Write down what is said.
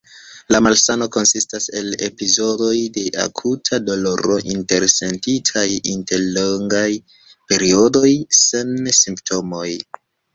La malsano konsistas el epizodoj de akuta doloro intersentitaj inter longaj periodoj sen simptomoj.